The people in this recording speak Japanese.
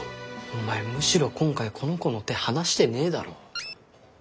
お前むしろ今回この子の手離してねえだろ。